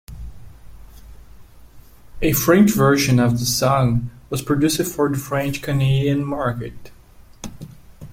A French version of the song was produced for the French Canadian market.